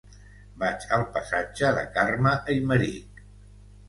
Vaig al passatge de Carme Aymerich.